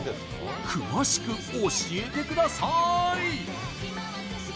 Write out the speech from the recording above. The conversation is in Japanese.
詳しく教えてください！